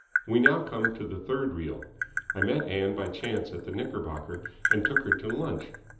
We now come to the third reel. I met Ann by chance at the Knickerbocker and took her to lunch.